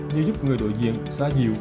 như giúp người đội diện xóa dịu